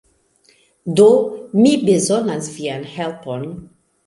Do, mi bezonas vian helpon.